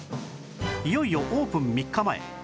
いよいよオープン３日前